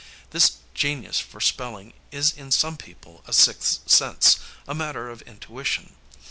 This genius for spelling is in some people a sixth sense, a matter of intuition.